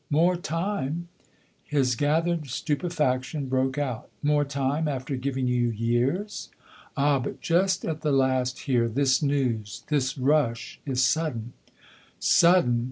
" More time ?" His gathered stupefaction broke out. " More time after giving you years ?" "Ah, but just at the last, here this news, this rush is sudden." " Sudden